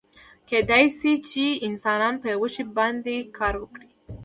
کیدای شي چې انسان په یو شي باندې کار کړی وي.